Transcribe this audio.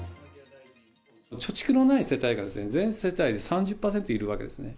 貯蓄のない世帯が、全世帯で３０％いるわけですね。